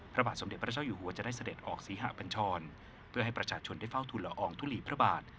พระบาทสมเด็จพระเจ้าอยู่หัวจะได้เสด็จออกศรีหะปัญชรเพื่อให้ประชาชนได้เฝ้าทุนละอองทุลีพระบาท